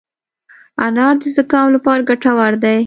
انار د زکام لپاره ګټور دی.